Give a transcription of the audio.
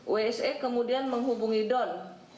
wse kemudian menghubungi don